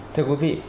thưa quý vị